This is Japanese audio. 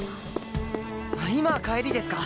今帰りですか？